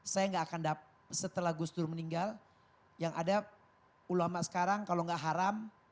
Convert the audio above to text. saya nggak akan setelah gus dur meninggal yang ada ulama sekarang kalau nggak haram